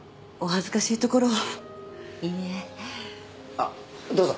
あっどうぞ。